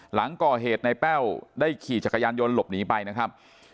หลังก่อเหตุในแป้วได้ขี่จักรยานยนต์หลบหนีไปนะครับ